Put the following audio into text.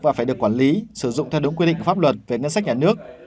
và phải được quản lý sử dụng theo đúng quy định pháp luật về ngân sách nhà nước